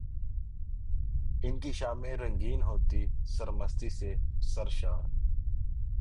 انکی شامیں رنگین ہوتیں، سرمستی سے سرشار۔